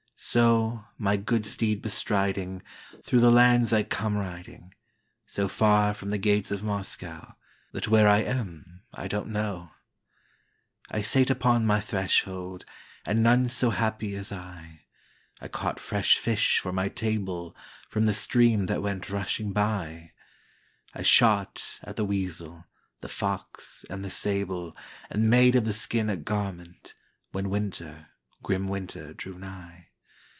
So, my good steed bestriding, Through the lands I come riding, So far from the gates of MoscowThat where I am I don't know.I sate upon my threshold, And none so happy as I;I caught fresh fish for my tableFrom the stream that went rushing by;I shot at the weasel, The fox and the sable, And made of the skin a garment, When winter, grim winter, drew nigh.